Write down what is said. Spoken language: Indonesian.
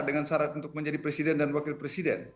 dengan syarat untuk menjadi presiden dan wakil presiden